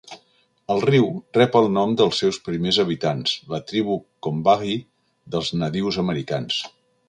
El riu rep el nom dels seus primers habitants, la tribu Combahee dels nadius americans.